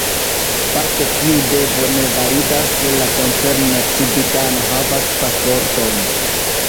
Parte tiu devo ne validas, se la koncerna civitano havas pasporton.